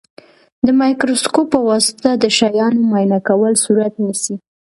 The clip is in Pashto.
د مایکروسکوپ په واسطه د شیانو معاینه کول صورت نیسي.